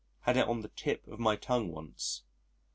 Had it on the tip of my tongue once.